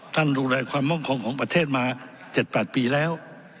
ท่านดูแลความมั่งคงของประเทศมา๗๘ปีแล้ว